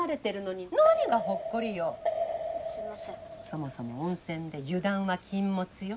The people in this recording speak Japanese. そもそも温泉で油断は禁物よ。